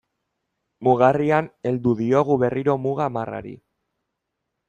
Mugarrian heldu diogu berriro muga marrari.